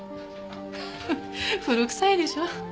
フフッ古くさいでしょ？